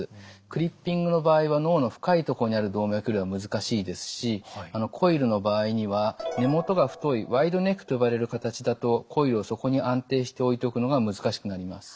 クリッピングの場合は脳の深いところにある動脈瘤は難しいですしコイルの場合には根元が太いワイドネックと呼ばれる形だとコイルをそこに安定して置いておくのが難しくなります。